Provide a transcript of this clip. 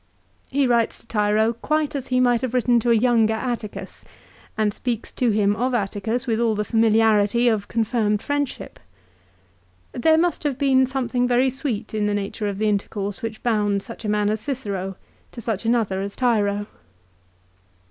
1 He writes to Tiro quite as he might have written to a younger Atticus, and speaks to him of Atticus with all the familiarity of confirmed friendship. There must have been something very sweet in the nature of the intercourse which bound such a man as Cicero to such another as Tiro. 1 Ad Div. lib. xvi.